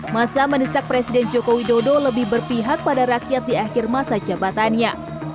masa menisak presiden joko widodo lebih berpihak pada rakyat di akhir masa jabatannya